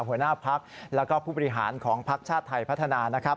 หัวหน้าพักแล้วก็ผู้บริหารของภักดิ์ชาติไทยพัฒนานะครับ